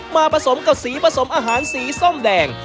ผสมกับสีผสมอาหารสีส้มแดง